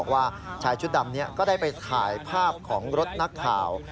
ว่าชายชุดดำนี้ก็ได้ไปถ่ายภาพของรถนักข่าว